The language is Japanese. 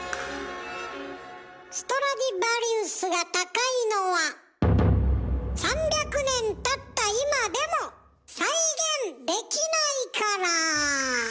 ストラディヴァリウスが高いのは３００年たった今でも再現できないから。